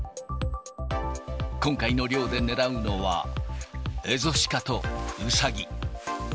今回の猟で狙うのは、エゾシカとウサギ。